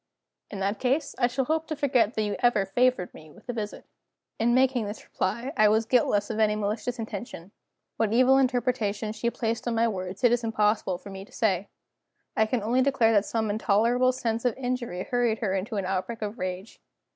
"In that case, I shall hope to forget that you ever favored me with a visit." In making this reply I was guiltless of any malicious intention. What evil interpretation she placed on my words it is impossible for me to say; I can only declare that some intolerable sense of injury hurried her into an outbreak of rage.